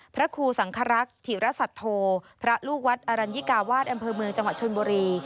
พระครูสังครักษ์ธิรสัตโธพระลูกวัดอรัญญิกาวาสอำเภอเมืองจังหวัดชนบุรี